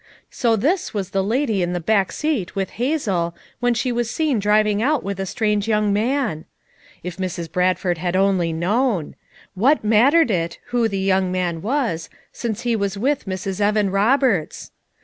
So this was the lady in the back seat with Hazel when she was seen driving out with a strange young man ! If Mrs. Bradford had only known ! what mattered it who the young man was, since he was with Mrs. Evan Roberts?